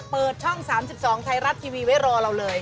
เปิดช่อง๓๒ไทยรัฐทีวีไว้รอเราเลย